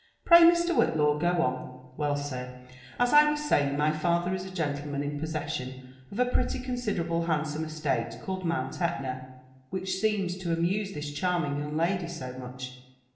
Pray, Hr. Whillaw, go on/' *' Well, sir, as I was saying, my father is a genUemaa in po^seaaioa of a pretty considerable handsome estate, called Mount Etna, which seems to arouse this charming young lady so much.